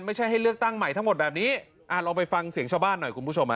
ให้เลือกตั้งใหม่ทั้งหมดแบบนี้อ่าลองไปฟังเสียงชาวบ้านหน่อยคุณผู้ชมฮะ